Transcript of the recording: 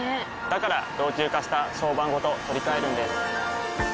から老朽化した床版ごと取り替えるんです。